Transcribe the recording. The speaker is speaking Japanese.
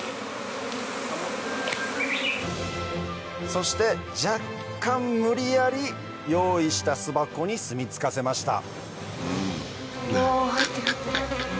そして若干無理やり用意した巣箱にすみ着かせました